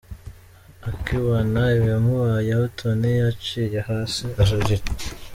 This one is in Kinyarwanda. Akibona ibimubayeho Tonny yicaye hasi ararira.